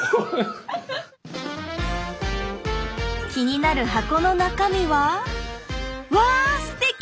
気になる箱の中身はわあ素敵！